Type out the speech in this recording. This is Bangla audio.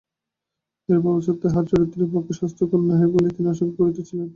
এরূপ অবস্থা তাহার চরিত্রের পক্ষে স্বাস্থ্যকর নহে বলিয়া তিনি আশঙ্কা করিতেছিলেন।